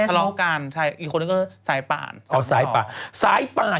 ถอรกกันอีกคนก็สายป่านสู้ต่อเพอร์วีดีโอสายป่าน